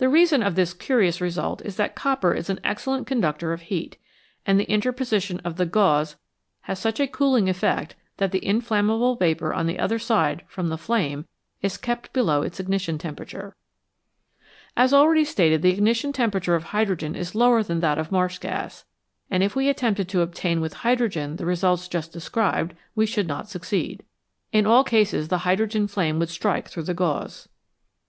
reason of this curious result is that copper is an excellent conductor of heat, and the interposition of the gauze has such a cooling effect that the inflammable vapour on the other side from the flame is kept below its ignition temperature. 162 FLAME: WHAT IS IT? As already stated, the ignition temperature of hydrogen is lower than that of marsh gas, and if we attempted to obtain with hydrogen the results just described, we should not succeed. In all cases the hydrogen flame would strike through the gauze.